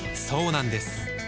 そうなんです